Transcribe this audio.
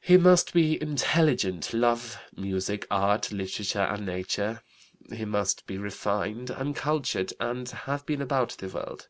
He must be intelligent, love music, art, literature, and nature. He must be refined and cultured and have been about the world.